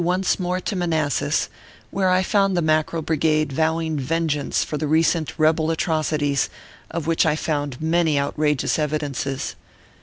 251 once more to Manassas, where I found the Mackerel Brigade vowing vengeance for the recent rebel atroci ties, of which I found many outrageous evidences.